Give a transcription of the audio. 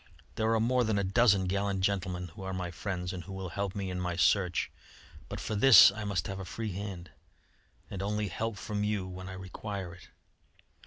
There are more than a dozen gallant gentlemen, who are my friends, and who will help me in my search. But for this I must have a free hand, and only help from you when I require it.